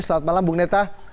selamat malam bung neta